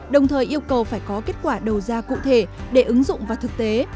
đồng thời yêu cầu phải có kết quả đầu ra cụ thể để ứng dụng vào thực tế